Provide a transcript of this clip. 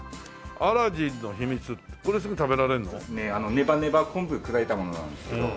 ネバネバ昆布砕いたものなんですけど。